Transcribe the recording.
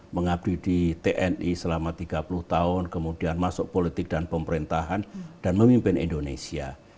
mengabdi di tni selama tiga puluh tahun kemudian masuk politik dan pemerintahan dan memimpin indonesia